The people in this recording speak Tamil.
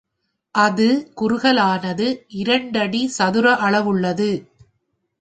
அது குறுகலானது இரண்டடி சதுர அளவுள்ளது.